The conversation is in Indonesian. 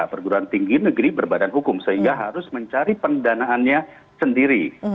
perguruan tinggi negeri berbadan hukum sehingga harus mencari pendanaannya sendiri